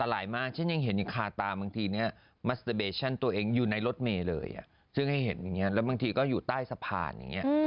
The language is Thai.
และบางทีก็อยู่ใต้สะพาน